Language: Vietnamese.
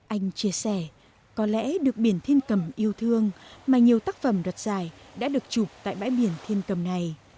anh chia sẻ có lẽ được biển thiên cầm yêu thương mà nhiều tác phẩm đoạt giải đã được chụp tại bãi biển thiên cầm này